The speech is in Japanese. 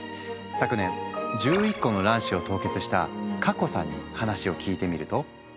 昨年１１個の卵子を凍結した佳香さんに話を聞いてみると。